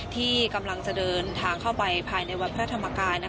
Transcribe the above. ที่กำลังจะเดินทางเข้าไปภายในวัดพระธรรมกาย